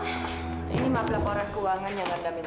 bagaimana ini map laporan keuangan yang anda minta